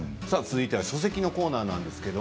続いては書籍のコーナーです。